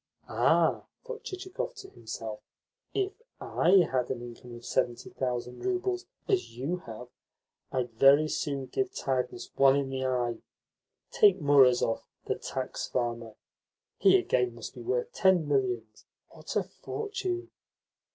"Ah," thought Chichikov to himself, "if I had an income of seventy thousand roubles, as you have, I'd very soon give tiredness one in the eye! Take Murazov, the tax farmer he, again, must be worth ten millions. What a fortune!"